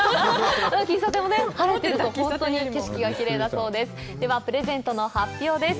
喫茶店も晴れてるとほんとに景色がきれいだそうですではプレゼントの発表です